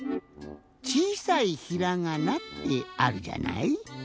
ちいさいひらがなってあるじゃない。